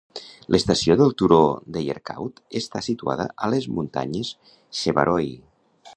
L'estació del turó de Yercaud està situada a les muntanyes Shevaroy.